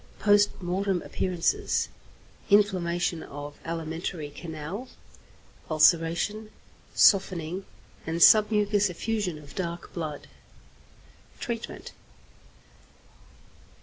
Post Mortem Appearances. Inflammation of alimentary canal; ulceration, softening, and submucous effusion of dark blood. _Treatment.